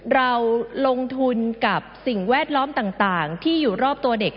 เราลงทุนกับสิ่งแวดล้อมต่างที่อยู่รอบตัวเด็ก